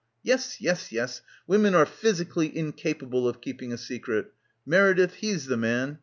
... Yes yes yes, women are physically incapable of keeping a secret. ... Meredith, he's the man.